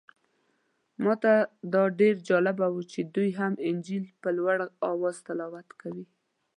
ماته دا ډېر جالبه و چې دوی هم انجیل په لوړ اواز تلاوت کوي.